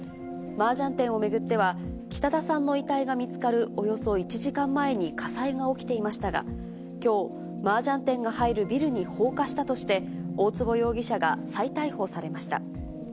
マージャン店を巡っては、北田さんの遺体が見つかるおよそ１時間前に火災が起きていましたが、きょう、マージャン店が入るビルに放火したとして、大坪容疑者が再逮捕されました。